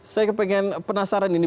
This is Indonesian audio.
saya pengen penasaran ini